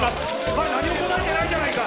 まだ何も答えてないじゃないか！